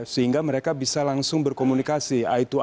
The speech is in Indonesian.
sehingga mereka bisa langsung berkomunikasi